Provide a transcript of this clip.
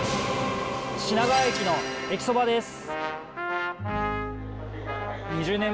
品川駅の駅そばです。